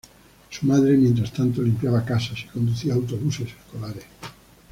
Su madre, mientras tanto, limpiaba casas y conducía autobuses escolares.